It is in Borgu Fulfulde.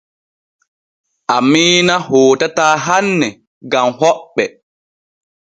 Amiina hootataa hanne gam hoɓɓe.